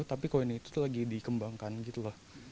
tapi coin itu lagi dikembangkan gitu loh